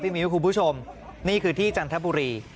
มิ้วคุณผู้ชมนี่คือที่จันทบุรี